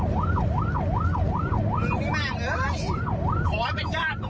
ชมเป็นแห่งอะไรหวะปใกล้เช่นตอนนี้ผมก็